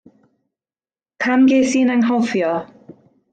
Pam ges i'n anghofio?